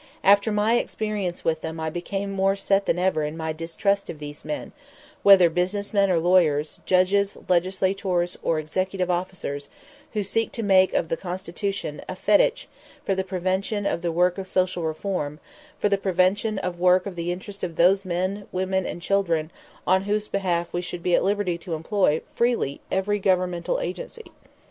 After my experience with them I became more set than ever in my distrust of those men, whether business men or lawyers, judges, legislators, or executive officers, who seek to make of the Constitution a fetich for the prevention of the work of social reform, for the prevention of work in the interest of those men, women, and children on whose behalf we should be at liberty to employ freely every governmental agency.